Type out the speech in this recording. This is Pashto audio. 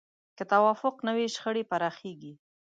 که توافق نه وي، شخړې پراخېږي.